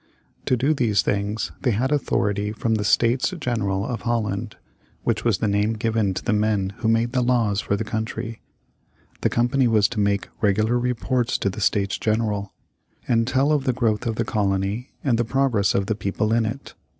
To do these things they had authority from the States General of Holland, which was the name given to the men who made the laws for that country. The Company was to make regular reports to the States General, and tell of the growth of the colony and the progress of the people in it.